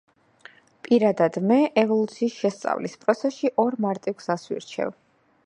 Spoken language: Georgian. პირადად მე, ევოლუციის შესწავლის პროცესში ორ მარტივ გზას ვირჩევ.